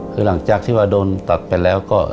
คือหลังจากที่ว่าโดนตัดไปแล้วก็